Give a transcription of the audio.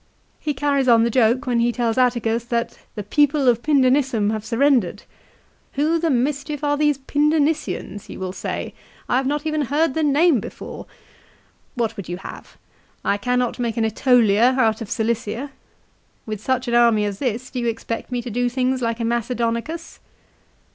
1 He carries on the joke when he tells Atticus that the " people of Pindenissum have surrendered." " Who the mischief are these Pindenissians ? you will say. I have not even heard the name before. What would you have ? I cannot make an ^Etolia out of Cilicia. With such an army as this do you expect me to do things like a Macedonicus